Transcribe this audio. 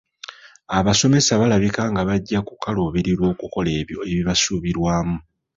Abasomesa balabika nga bajja kukaluubirirwanga okukola ebyo ebibasuubirwamu.